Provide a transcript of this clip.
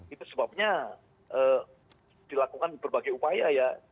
itu sebabnya dilakukan berbagai upaya ya